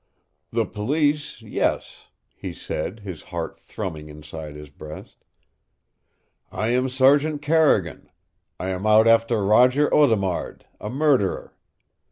"The police, yes," he said, his heart thrumming inside his breast. "I am Sergeant Carrigan. I am out after Roger Audemard, a murderer.